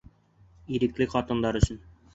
Ирекле ҡатындар өсөн!